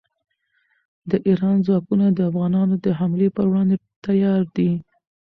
د ایران ځواکونه د افغانانو د حملې پر وړاندې تیار دي.